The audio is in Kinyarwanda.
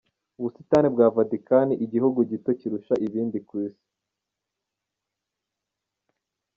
Ubusitani bwa Vatican, igihugu gito kurusha ibindi ku isi.